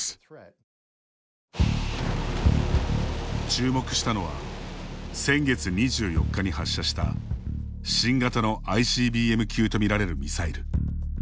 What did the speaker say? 注目したのは先月２４日に発射した新型のＩＣＢＭ級と見られるミサイル。